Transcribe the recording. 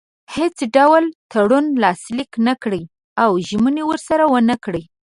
هیڅ ډول تړون لاسلیک نه کړي او ژمنې ورسره ونه کړي.